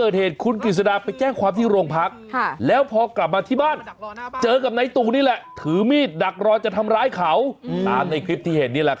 จึงจากการสอบปากคำนายตู่ก็บอกว่าเขาจำอะไรไม่ได้เลย